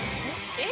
えっ？